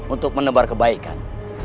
untuk menebar kebaikan